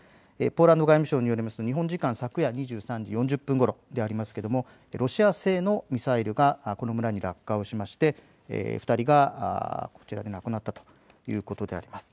ポーランド外務省によりますと日本時間昨夜２３時４０分ごろロシア製のミサイルがこの村に落下して２人が亡くなったということであります。